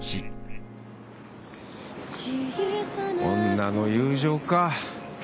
女の友情か。